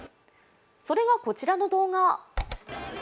それがこちらの動画。